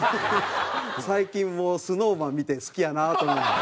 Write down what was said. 最近もうＳｎｏｗＭａｎ見て好きやなと思うもんね。